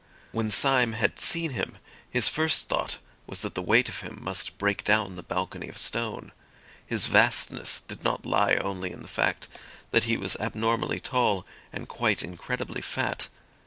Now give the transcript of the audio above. When Syme had seen him, his first thought was that the weight of him must break down the balcony of stone. His vastness did not lie only in the fact that he was abnormally tall and quite incredibly fat.